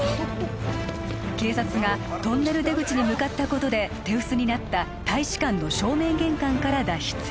警察がトンネル出口に向かったことで手薄になった大使館の正面玄関から脱出